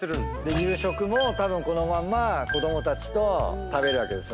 夕食もたぶんこのまんま子供たちと食べるわけですよね。